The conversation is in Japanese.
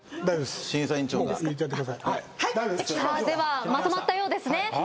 ではまとまったようですね。